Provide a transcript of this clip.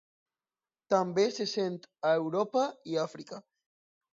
També se sent a Europa i Àfrica.